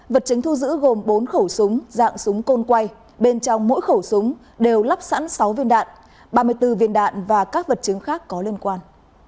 vật chứng thu giữ gồm bốn khẩu súng dạng súng côn quay bên trong mỗi khẩu súng đều lắp sẵn sáu viên đạn ba mươi bốn viên đạn và các vật chứng khác có liên quan